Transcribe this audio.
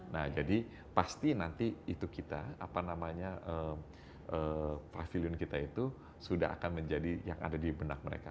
nah jadi pasti nanti itu kita apa namanya pavilion kita itu sudah akan menjadi yang ada di benak mereka